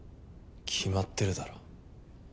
決まってるだろ。